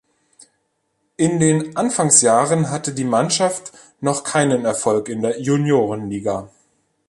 In den Anfangsjahren hatte die Mannschaft noch keinen Erfolg in der Juniorenliga.